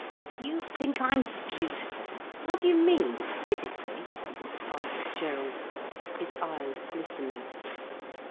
"You think I am beautiful—how do you mean, physically?" asked Gerald, his eyes glistening.